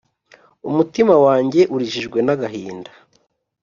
Umutima wanjye urijijwe nagahinda